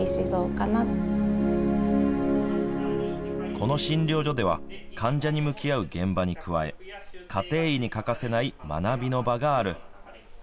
この診療所では患者に向き合う現場に加え家庭医に欠かせない学びの場がある。